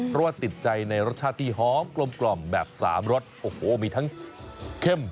เพราะว่าติดใจในรสชาติที่หอมกลมแบบสามรสโอ้โหมีทั้งเข้ม